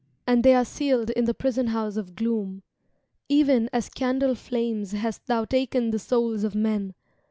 And they are sealed in the prison house of gloom. Even as candle^^flames Hast thou taken the souls of men.